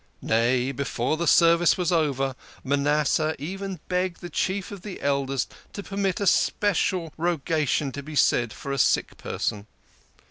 Nay, before the Service was over, Ma nasseh even begged the Chief of the Eld ers to permit a spe cial Rogation to be said for a sick person.